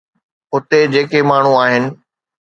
اتي جيڪي ماڻهو آهن.